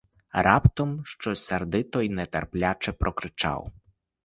Раптом щось сердито й нетерпляче прокричав.